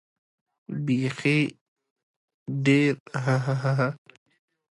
بېخي ډېر هههه.